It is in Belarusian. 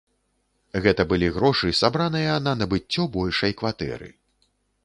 Гэты былі грошы, сабраныя на набыццё большай кватэры.